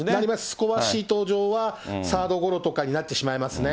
スコアシート上はサードゴロとかになってしまいますね。